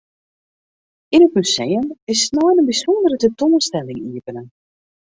Yn it museum is snein in bysûndere tentoanstelling iepene.